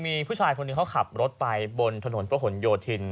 มีผู้ชายคนหนึ่งเขาขับรถไปบนถนนพระหลโยธิน